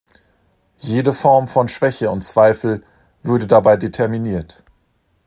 Jede Form von Schwäche und Zweifel würde dabei determiniert.